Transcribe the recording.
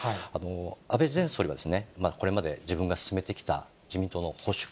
安倍前総理は、これまで自分が進めてきた自民党の保守化